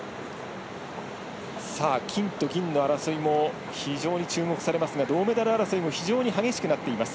金と銀の争いも非常に注目されますが銅メダル争いも非常に激しくなっています。